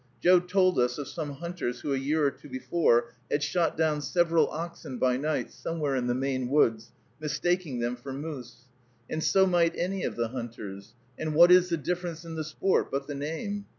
Joe told us of some hunters who a year or two before had shot down several oxen by night, somewhere in the Maine woods, mistaking them for moose. And so might any of the hunters; and what is the difference in the sport, but the name?